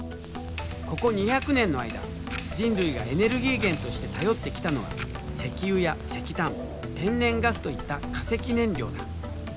ここ２００年の間人類がエネルギー源として頼ってきたのは石油や石炭天然ガスといった化石燃料だ。